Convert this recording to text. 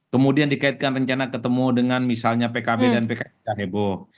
kemudian dikaitkan rencana ketemu dengan misalnya pkb dan pks yang heboh